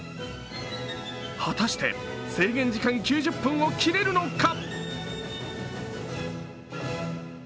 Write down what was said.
果たして制限時間９０分を切れるのか。